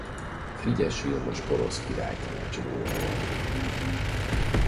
Frigyes Vilmos porosz király tanácsadója volt.